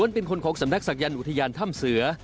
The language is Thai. เป็นคนของสำนักศักยันต์อุทยานถ้ำเสือ